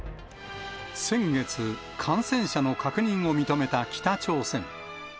先月、感染者の確認を認めた北朝鮮。